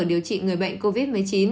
điều trị người bệnh covid một mươi chín